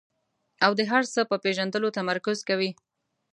او د هر څه په پېژندلو تمرکز کوي.